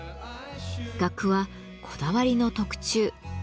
額はこだわりの特注。